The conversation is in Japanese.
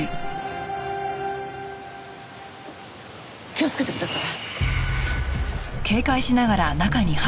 気をつけてください。